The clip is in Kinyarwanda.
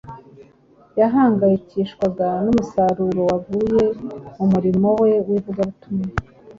Yahangayikishwaga n’umusaruro wavuye mu murimo we w’ivugabutumwa.